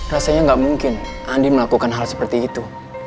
rasanya gak mungkin andin melakukan hal seperti itu